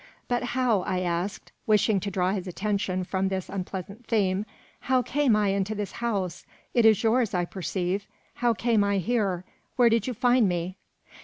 "But how," I asked, wishing to draw his attention from this unpleasant theme, "how came I into this house? It is yours, I perceive. How came I here? Where did you find me?"